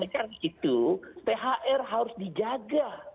karena itu thr harus dijaga